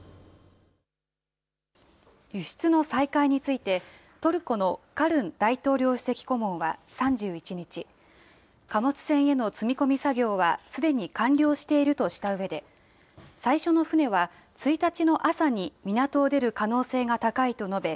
輸出の再開について、トルコのカルン大統領首席顧問は３１日、貨物船への積み込み作業はすでに完了しているとしたうえで、最初の船は１日の朝に港を出る可能性が高いと述べ、